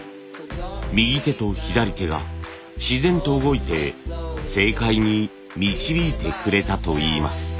右手と左手が自然と動いて正解に導いてくれたといいます。